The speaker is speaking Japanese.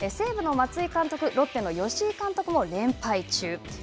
西武の松井監督、ロッテの吉井監督も連敗中。